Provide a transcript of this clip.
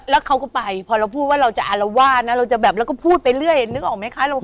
แล้วเขาก็ไปพอเราพูดว่าเราจะอารวาสนะเราจะแบบเราก็พูดไปเรื่อยนึกออกไหมคะ